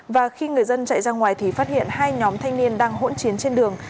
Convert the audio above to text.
và khi người dân chạy ra ngoài thì phát hiện hai nhóm thanh niên đang hỗn chiến trên đường